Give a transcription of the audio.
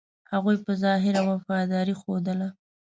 هغوی په ظاهره وفاداري ښودله.